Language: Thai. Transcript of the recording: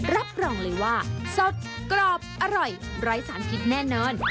รับรองเลยว่าสดกรอบอร่อยไร้สารพิษแน่นอน